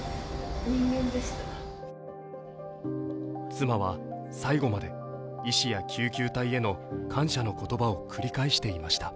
妻は最後まで医師や救急隊への感謝の言葉を繰り返していました。